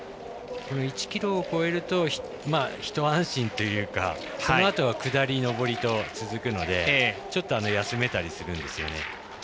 １ｋｍを超えると一安心というかそのあとは下り、上りと続くのでちょっと休めたりするんですよね。